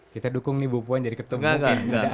kita dukung nih bu puan jadi ketemu